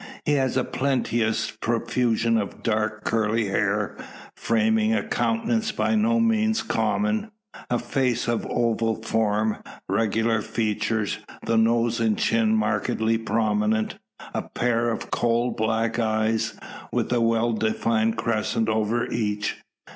He has a plenteous profusion of dark curly hair, framing a countenance by no means common. A face of oval form, regular features, the nose and chin markedly prominent, a pair of coal black eyes, with a well defined crescent over each.